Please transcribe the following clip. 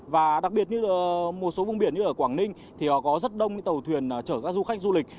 và đặc biệt như một số vùng biển như ở quảng ninh thì họ có rất đông tàu thuyền chở các du khách du lịch